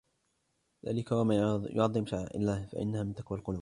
ذَلِكَ وَمَنْ يُعَظِّمْ شَعَائِرَ اللَّهِ فَإِنَّهَا مِنْ تَقْوَى الْقُلُوبِ